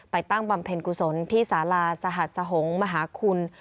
ตั้งบำเพ็ญกุศลที่สาราสหัสสหงษ์มหาคุณ